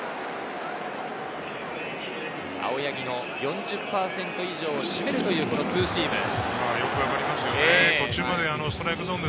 青柳の４０％以上を占めるというツーシーム。